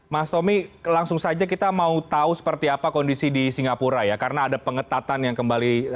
mas tommy langsung saja kita mau tahu seperti apa kondisi di singapura ya karena ada pengetatan yang kembali